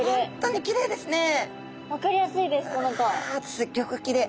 すギョくきれい。